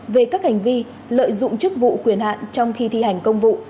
về các hành vi lợi dụng chức vụ quyền hạn trong khi thi hành công vụ